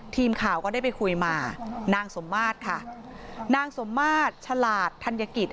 ทีมข่าวก็ได้ไปคุยมานางสมมาตรค่ะนางสมมาตรฉลาดธัญกิจ